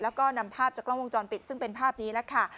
แล้วก็นำภาพจากกล้องวงจรปิดซึ่งเป็นภาพนี้แล้วค่ะ